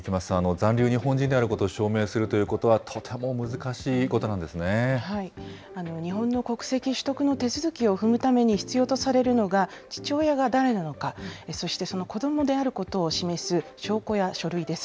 残留日本人であることを証明するということは、とても難しいこと日本の国籍取得の手続きを踏むために必要とされるのが、父親が誰なのか、そしてその子どもであることを示す証拠や書類です。